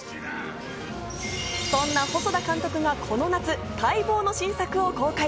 そんな細田監督がこの夏、待望の新作を公開。